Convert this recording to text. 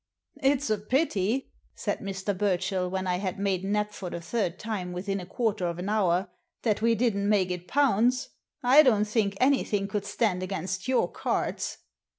" It's a pity," said Mr. Burchell, when I had made Nap for the third time within a quarter of an hour, •'that we didn't make it pounds. I don't think any thing could stand against your cards."